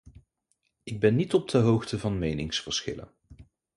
Ik ben niet op de hoogte van meningsverschillen.